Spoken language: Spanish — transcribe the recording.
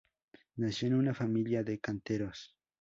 Nació en una familia de canteros.